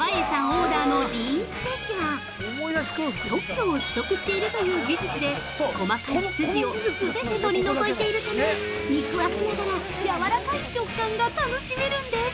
オーダーのリーンステーキは特許を取得しているという技術で細かい筋を全て取り除いているため肉厚ながら、やわらかい食感が楽しめるんです！